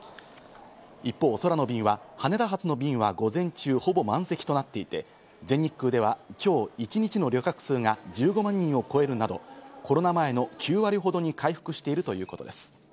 一方、空の便は羽田発の便は午前中ほぼ満席となっていて、全日空では今日一日の旅客数が１５万人を超えるなどコロナ前の９割ほどに回復しているということです。